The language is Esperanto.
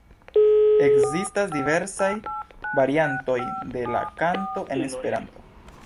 Ekzistas diversaj variantoj de la kanto en Esperanto.